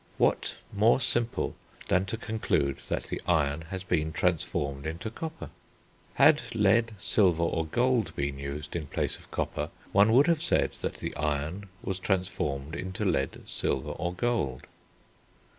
What more simple than to conclude that the iron has been transformed into copper? Had lead, silver, or gold been used in place of copper, one would have said that the iron was transformed into lead, silver, or gold.